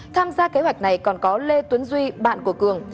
tham gia kế hoạch này còn có lê tuấn duy bạn của cường